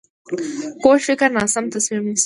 کوږ فکر ناسم تصمیم نیسي